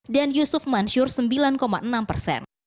dan yusuf mansyur sembilan enam persen